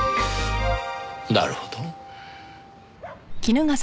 なるほど。